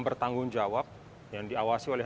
bertanggung jawab yang diawasi oleh